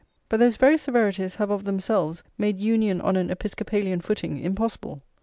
But those very severities have of themselves made union on an Episcopalian footing impossible.